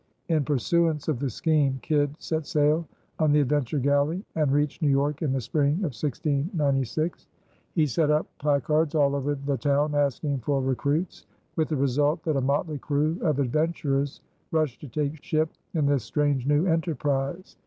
In pursuance of the scheme Kidd set sail on the Adventure Galley and reached New York in the spring of 1696. He set up placards all over the town asking for recruits, with the result that a motley crew of adventurers rushed to take ship in this strange new enterprise.